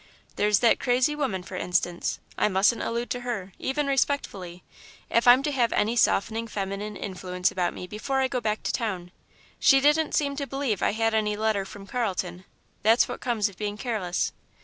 There's that crazy woman, for instance I mustn't allude to her, even respectfully, if I'm to have any softening feminine influence about me before I go back to town. She didn't seem to believe I had any letter from Carlton that's what comes of being careless.